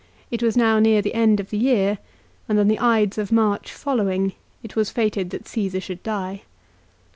It was now near the end of the year and on the Ides of March following it was fated that Csesar should die.